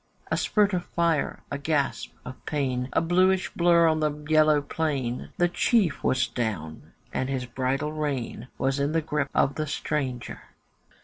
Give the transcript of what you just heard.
A spurt of fire, a gasp of pain, A blueish blurr on the yellow plain, The chief was down, and his bridle rein Was in the grip of the stranger.